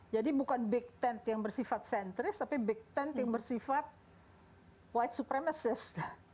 jadi bukan big tent yang bersifat sentris tapi big tent yang bersifat white supremacist